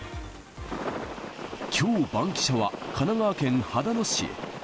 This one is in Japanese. きょう、バンキシャは神奈川県秦野市へ。